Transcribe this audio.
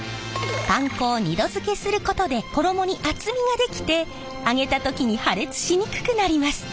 パン粉を２度づけすることで衣に厚みが出来て揚げた時に破裂しにくくなります。